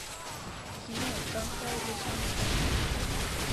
昨日、眼科を受診した。